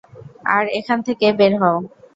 আর এখান থেকে বের হও।